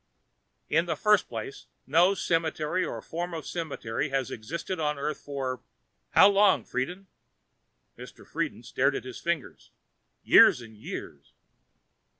"In the first place, no cemetery or form of cemetery has existed on Earth for how long, Friden?" Mr. Friden stared at his fingers. "Years and years."